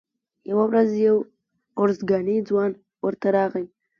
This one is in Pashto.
یوه ورځ یو ارزګانی ځوان ورته راغی.